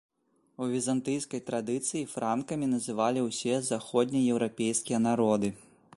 У візантыйскай традыцыі франкамі называлі ўсе заходнееўрапейскія народы.